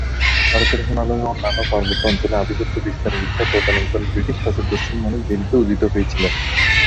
ভারতের হিমালয় ও অন্যান্য পার্বত্য অঞ্চলে আধিপত্য বিস্তারের ইচ্ছা তদনীন্তন ব্রিটিশ শাসকগোষ্ঠীর মনে দেরিতে উদিত হয়েছিল।